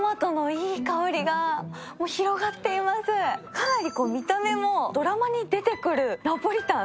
かなり見た目もドラマに出てくるナポリタン